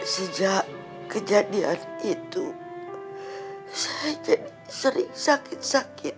sejak kejadian itu saya sering sakit sakit